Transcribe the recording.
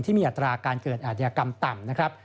มีอัตราการเกิดอาธิกรรมต่ำนะครับ